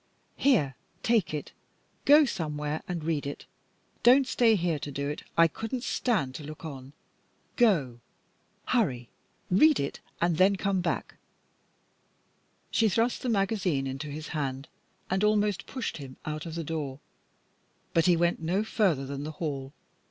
Here, take it. Go somewhere and read it. Don't stay here to do it. I couldn't stand to look on. Go! Hurry! Read it, and then come back." She thrust the magazine into his hand, and almost pushed him out of the door. But he went no further than the hall.